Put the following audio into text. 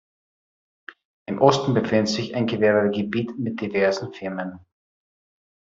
Im Osten befindet sich ein Gewerbegebiet mit diversen Firmen.